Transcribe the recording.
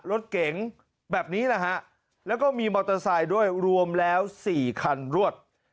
รถเก๋งแบบนี้แหละฮะแล้วก็มีมอเตอร์ไซค์ด้วยรวมแล้ว๔คันรวด